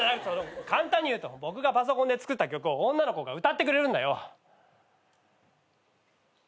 簡単に言うと僕がパソコンで作った曲を女の子が歌ってくれるんだよ。